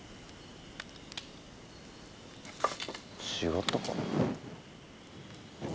違ったか？